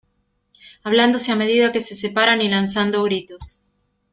hablándose a medida que se separan y lanzando gritos.